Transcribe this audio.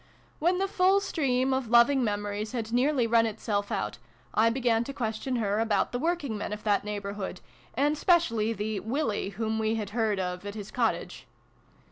When the full stream of loving memories had nearly run itself out, I began to question her about the working men of that neighbourhood, and specially the ' Willie.' whom we had heard of at his cottage.